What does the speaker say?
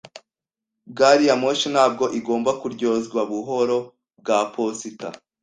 Gari ya moshi ntabwo igomba kuryozwa buhoro bwa posita.